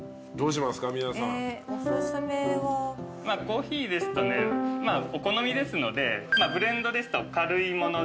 コーヒーですとねお好みですのでブレンドですと軽いもの